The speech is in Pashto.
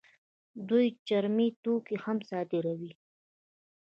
دوی چرمي توکي هم صادروي.